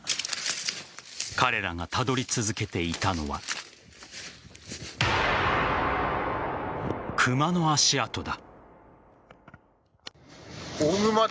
彼らがたどり続けていたのは熊の足跡だ。